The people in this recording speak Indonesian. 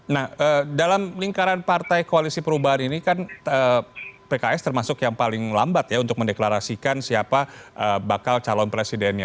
nah dalam lingkaran partai koalisi perubahan ini kan pks termasuk yang paling lambat ya untuk mendeklarasikan siapa bakal calon presidennya